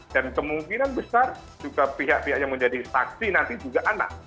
dan kemungkinan besar juga pihak pihak yang menjadi saksi nanti juga anak